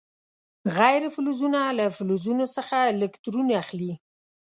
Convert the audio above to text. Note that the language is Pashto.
غیر فلزونه له فلزونو څخه الکترون اخلي.